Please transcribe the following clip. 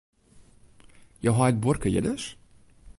Jo heit buorke hjir dus?